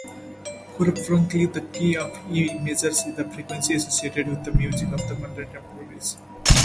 For Bruckner, the key of E major is frequently associated with music of contemplation.